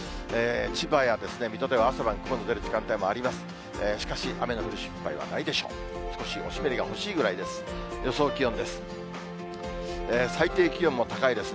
千葉や水戸では朝晩、雲の出る時間帯もあります。